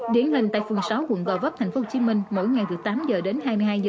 điển hình tại phường sáu quận gò vấp tp hcm mỗi ngày từ tám h đến hai mươi hai h